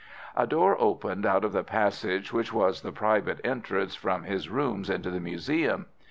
A door opened out of the passage which was the private entrance from his rooms into the museum.